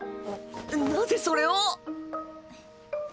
あっなぜそれを！